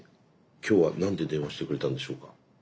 今日は何で電話してくれたんでしょうか。